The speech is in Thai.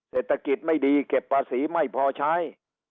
เศรษฐกิจไม่ดีเก็บภาษีไม่พอใช้